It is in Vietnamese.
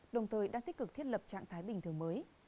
đồng thời đang tích cực thiết lập trạng thái bình thường mới